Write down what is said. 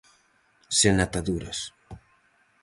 Sen ataduras.